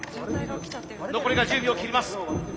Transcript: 残りが１０秒を切ります。